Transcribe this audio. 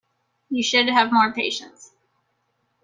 You should have more patience.